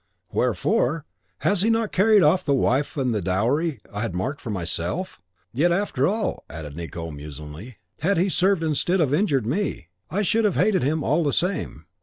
"Wherefore! Has he not carried off the wife and the dowry I had marked for myself! Yet, after all," added Nicot, musingly, "had he served instead of injured me, I should have hated him all the same.